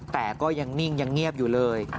แต่ก็ยังนิ่งยังเงียบอยู่เลย